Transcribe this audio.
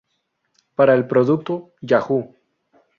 Para el producto Yahoo!